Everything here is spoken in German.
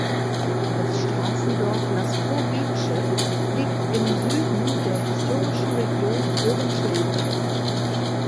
Das Straßendorf Laskowice liegt im Süden der historischen Region Oberschlesien.